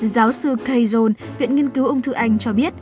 giáo sư kay john viện nghiên cứu ung thư anh cho biết